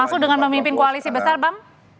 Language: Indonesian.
langsung dengan memimpin koalisi besar bang